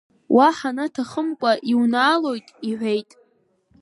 Уаҳа наҭахымкәа иунаалот, — иҳәеит.